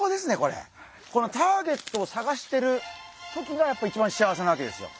このターゲットを探してる時がやっぱり一番幸せなわけですよ。